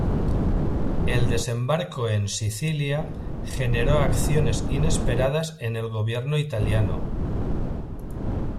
El desembarco en Sicilia generó acciones inesperadas en el gobierno italiano.